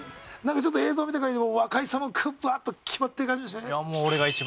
ちょっと映像を見た限りでも若井さんもこうバッと決まってる感じしましたね。